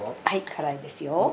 はい辛いですよ。